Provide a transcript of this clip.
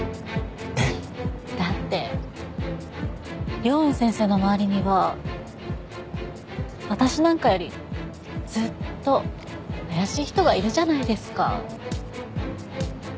えっ？だって凌雲先生の周りには私なんかよりずっと怪しい人がいるじゃないですか。